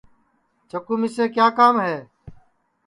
چکُو مِسے کیا کام ہے